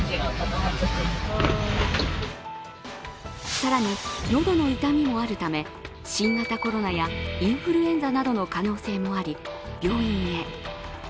更に、喉の痛みもあるため、新型コロナやインフルエンザなどの可能性もあり、病院へ。